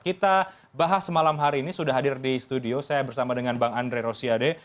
kita bahas semalam hari ini sudah hadir di studio saya bersama dengan bang andre rosiade